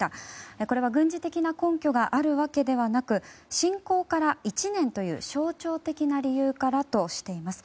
これは軍事的な根拠があるわけではなく侵攻から１年という象徴的な理由からとしています。